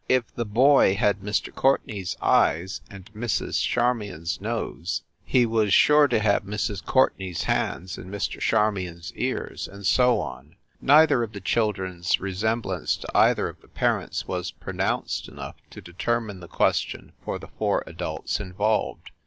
If the boy had Mr. Courtenay s eyes and Mrs. Charmion s nose, he was sure to have Mrs. Courtenay s hands and Mr. Charmion s ears and so on. Neither of the children s resemblance to either of the parents was pronounced enough to determine the question for the four adults involved.